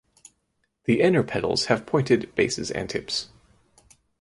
The inner petals have pointed bases and tips.